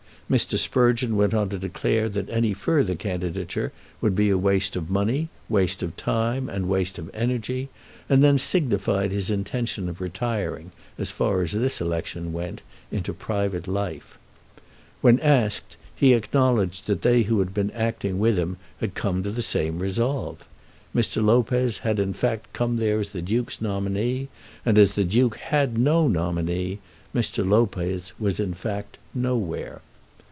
Mr. Sprugeon went on to declare that any further candidature would be waste of money, waste of time, and waste of energy, and then signified his intention of retiring, as far as this election went, into private life. When asked, he acknowledged that they who had been acting with him had come to the same resolve. Mr. Lopez had in fact come there as the Duke's nominee, and as the Duke had no nominee, Mr. Lopez was in fact "nowhere."